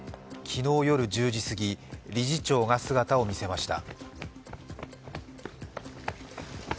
昨日夜１０時すぎ、理事長が姿を見せました。